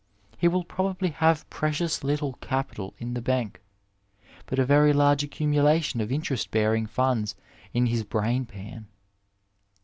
He will probably have precious little capital in the bank, but a very large accumulation of interest bearing funds in his brain pan.